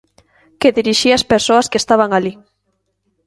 Que dirixía ás persoas que estaban alí.